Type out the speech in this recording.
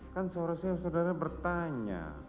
kan seharusnya saudara bertanya